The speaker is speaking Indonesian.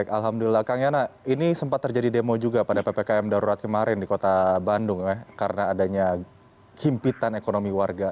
alhamdulillah kang yana ini sempat terjadi demo juga pada ppkm darurat kemarin di kota bandung karena adanya himpitan ekonomi warga